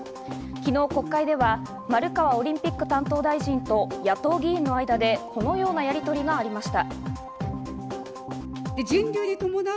昨日、国会では丸川オリンピック担当大臣と野党議員の間でこのようなやりとりがありました。